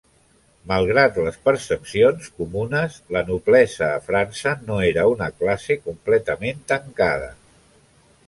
Malgrat les percepcions comunes, la noblesa a França no era una classe completament tancada.